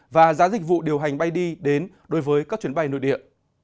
và giá dịch vụ điều hành bay đi đến đối với các chuyến bay nội địa